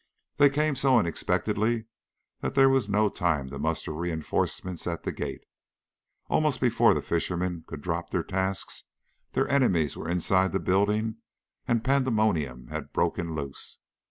They came so unexpectedly that there was no time to muster reinforcements at the gate; almost before the fishermen could drop their tasks, their enemies were inside the building and pandemonium had broken loose.